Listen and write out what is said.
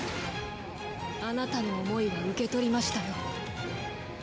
あなたの思いは受け取りましたよ。